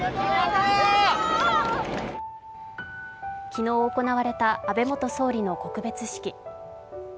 昨日行われた安倍元総理の告別式。